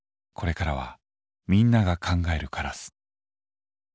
これからはみんなが考えるカラス。